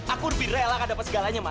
aku lebih rela gak dapat segalanya ma